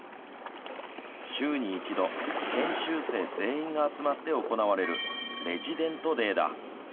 週に１度研修生全員が集まって行われるレジデントデイだ。